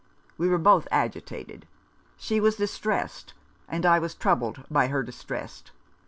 We were both agitated. She was distressed, and I was troubled by her distress.